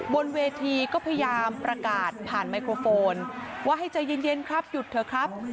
บนเวทีก็พยายามประกาศผ่านไมโครโฟนว่าให้ใจเย็นครับหยุดเถอะครับ